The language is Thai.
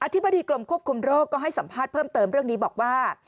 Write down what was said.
ธิบดีกรมควบคุมโรคก็ให้สัมภาษณ์เพิ่มเติมเรื่องนี้บอกว่า